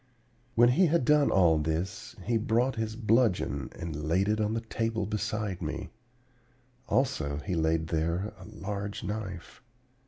"When he had done all this, he brought his bludgeon and laid it on the table beside me; also he laid there a large knife.